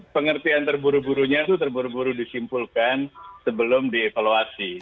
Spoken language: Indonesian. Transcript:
pengertian terburu burunya itu terburu buru disimpulkan sebelum dievaluasi